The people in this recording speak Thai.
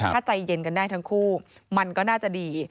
ถ้าใจเย็นกันได้ทั้งคู่มันก็น่าจะดี